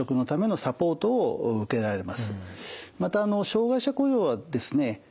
また障害者雇用はですね